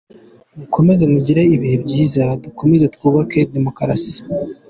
Mukomeze mugire ibihe byiza, dukomeze twubake demokarasi..”